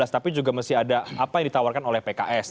tapi juga mesti ada apa yang ditawarkan oleh pks